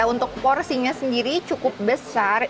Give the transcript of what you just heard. untuk porsinya sendiri cukup besar